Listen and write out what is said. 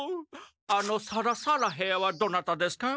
あのサラサラヘアはどなたですか？